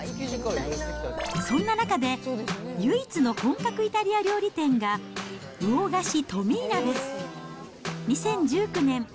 そんな中で、唯一の本格イタリア料理店が、魚河岸トミーナです。